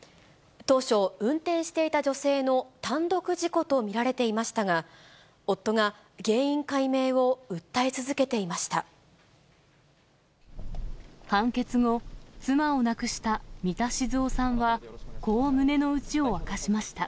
当初、運転していた女性の単独事故と見られていましたが、夫が、原因解判決後、妻を亡くした三田静雄さんは、こう胸の内を明かしました。